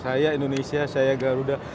saya indonesia saya garuda